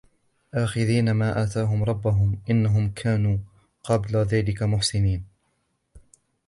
آخذين ما آتاهم ربهم إنهم كانوا قبل ذلك محسنين